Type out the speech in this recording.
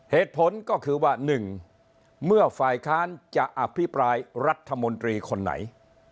เหตุผลก็คือว่า๑เมื่อฝ่ายค้านจะอภิปรายรัฐมนตรีคนไหน